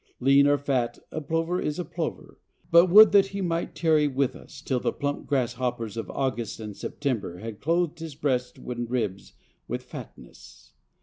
Lean or fat, a plover is a plover, but would that he might tarry with us till the plump grasshoppers of August and September had clothed his breast and ribs with fatness.